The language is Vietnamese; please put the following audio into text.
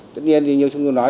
tất nhiên như chúng tôi nói